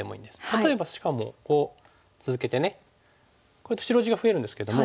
例えばしかもこう続けてね白地が増えるんですけども。